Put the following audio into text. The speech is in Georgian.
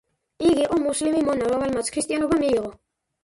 იგი იყო მუსლიმი მონა, რომელმაც ქრისტიანობა მიიღო.